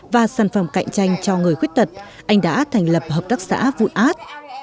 và sản phẩm cạnh tranh cho người khuyết tật anh đã thành lập hợp tác xã vụn át